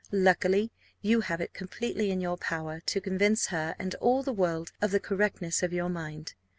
Luckily, you have it completely in your power to convince her and all the world of the correctness of your mind.